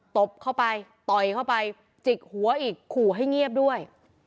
ตบเข้าไปต่อยเข้าไปจิกหัวอีกขู่ให้เงียบด้วย